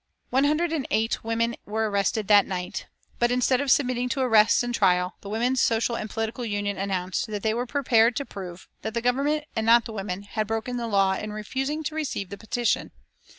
One hundred and eight women were arrested that night, but instead of submitting to arrests and trial, the Women's Social and Political Union announced that they were prepared to prove that the Government and not the women had broken the law in refusing to receive the petition.